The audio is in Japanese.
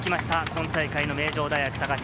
今大会の名城大学。